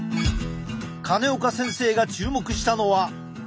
金岡先生が注目したのは。